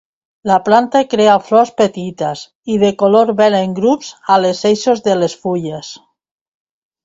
La planta crea flors petites i de color verd en grups a les eixos de les fulles.